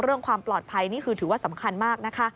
เรื่องความปลอดภัยนี่คือถือว่าสำคัญมากนะคะ